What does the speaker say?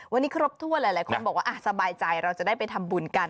วันนี้ครบถ้วนหลายคนบอกว่าสบายใจเราจะได้ไปทำบุญกัน